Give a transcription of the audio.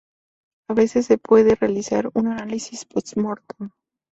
A veces se puede realizar un análisis "post-mortem".